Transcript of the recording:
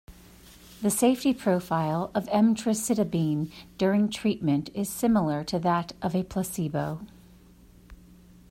The safety profile of emtricitabine during treatment is similar to that of a placebo.